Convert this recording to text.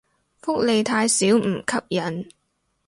福利太少唔吸引